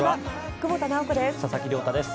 久保田直子です。